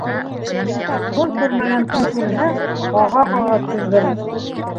Тун күрмәгән тун күрһә, ҡаға-ҡаға туҙҙырыр.